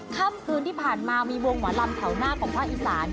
ค่ำคืนที่ผ่านมามีวงหมอลำแถวหน้าของภาคอีสาน